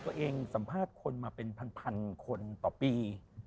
สัมภาษณ์คนมาเป็นพันคนต่อปี